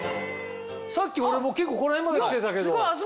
さっき俺もう結構この辺まで来てたけど。